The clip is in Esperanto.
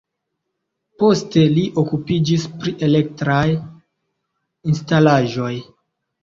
Poste li okupiĝis pri elektraj instalaĵoj.